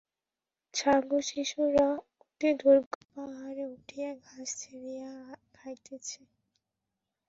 ছাগশিশুরা অতি দুর্গম পাহাড়ে উঠিয়া ঘাস ছিঁড়িয়া খাইতেছে।